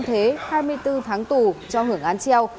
thế hai mươi bốn tháng tù cho hưởng án treo